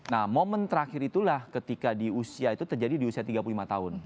nah momen terakhir itulah ketika di usia itu terjadi di usia tiga puluh lima tahun